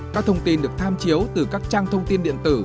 các thông tin được tham chiếu từ các trang thông tin điện tử